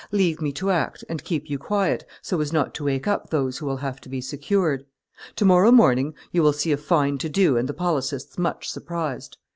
Leave me to act, and keep you quiet, so as not to wake up those who will have to be secured. To morrow morning you will see a fine to do and the policists much surprised."